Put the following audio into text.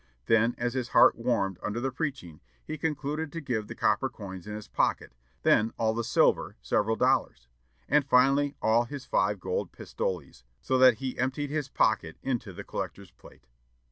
Then, as his heart warmed under the preaching, he concluded to give the copper coins in his pocket; then all the silver, several dollars; and finally all his five gold pistoles, so that he emptied his pocket into the collector's plate.